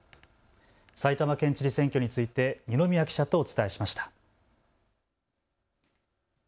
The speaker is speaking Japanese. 埼玉県知事選挙について二宮記者とお伝えしました。